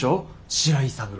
白井三郎。